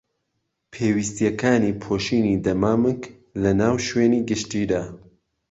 پێویستیەکانی پۆشینی دەمامک لەناو شوێنی گشتیدا